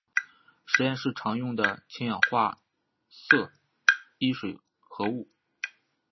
实验室常用的是氢氧化铯一水合物。